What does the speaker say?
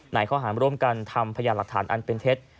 ในข้อหารร่วมกันทำพยานหลักฐานอันเป็นเท็จ